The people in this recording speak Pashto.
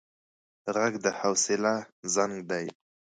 غږ د حوصله زنګ دی